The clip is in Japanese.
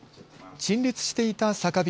陳列していた酒瓶